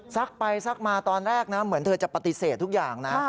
ไปซักมาตอนแรกนะเหมือนเธอจะปฏิเสธทุกอย่างนะ